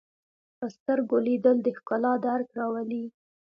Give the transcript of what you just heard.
په سترګو لیدل د ښکلا درک راولي